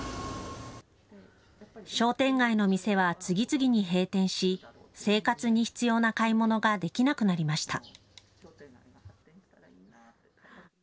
商店街の店は次々に閉店し生活に必要な買い物ができなくなりました。